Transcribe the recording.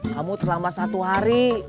kamu terlambat satu hari